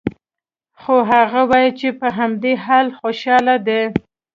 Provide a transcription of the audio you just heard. خو هغه وايي چې په همدې حال خوشحال دی